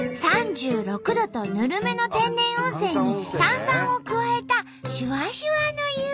３６℃とぬるめの天然温泉に炭酸を加えたしゅわしゅわの湯！